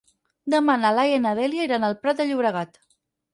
Demà na Laia i na Dèlia iran al Prat de Llobregat.